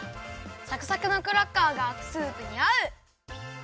サクサクのクラッカーがスープにあう！